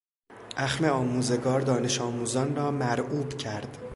اخم آموزگار دانشآموزان را مرعوب کرد.